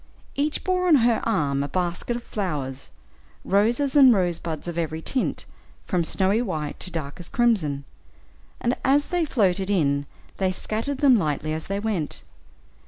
Each bore on her arm a basket of flowers, roses and rosebuds of every tint, from snowy white to darkest crimson, and as they floated in they scattered them lightly as they went.